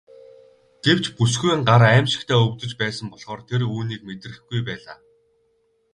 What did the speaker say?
Гэвч бүсгүйн гар аймшигтай өвдөж байсан болохоор тэр үүнийг мэдрэхгүй байлаа.